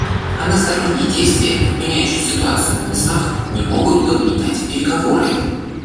Односторонние действия, меняющие ситуацию на местах, не могут подменять переговоры.